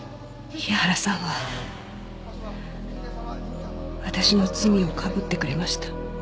日原さんは私の罪を被ってくれました。